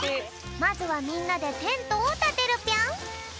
まずはみんなでテントをたてるぴょん。